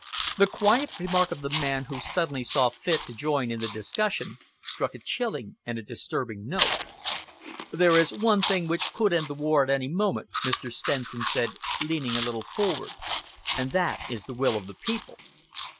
The quiet remark of the man who suddenly saw fit to join in the discussion struck a chilling and a disturbing note. "There is one thing which could end the war at any moment," Mr. Stenson said, leaning a little forward, "and that is the will of the people."